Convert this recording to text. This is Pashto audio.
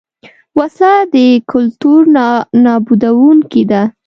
وسله د کلتور نابودوونکې ده